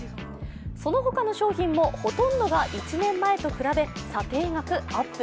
その他の商品もほとんどが１年前と比べ、査定額アップ。